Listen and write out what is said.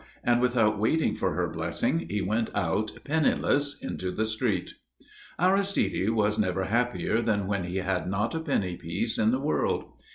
and without waiting for her blessing he went out penniless into the street. Aristide was never happier than when he had not a penny piece in the world.